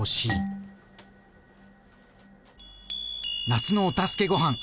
「夏のお助けごはん」